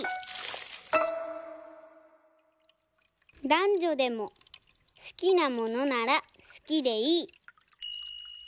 「だんじょでも好きなものなら好きでいい」。